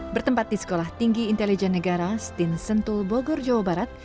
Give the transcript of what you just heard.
bertempat di sekolah tinggi intelijen negara stin sentul bogor jawa barat